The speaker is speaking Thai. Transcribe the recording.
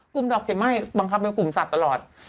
ดอกเข็มไหม้บังคับเป็นกลุ่มสัตว์ตลอด